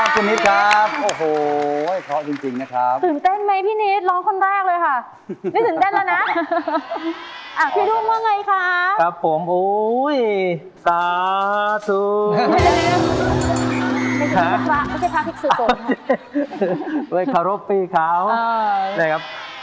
ก็อย่างฉันที่ไร้คนเมตตา